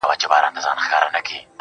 د ښار په جوارگرو باندي واوښتلې گراني